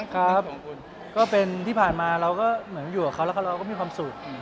ครับผมก็เป็นที่ผ่านมาเราก็เหมือนอยู่กับเขาแล้วก็เราก็มีความสุข